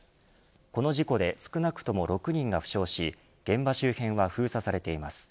この事故で少なくとも６人が負傷し現場周辺は封鎖されています。